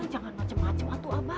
jangan macem macem itu abah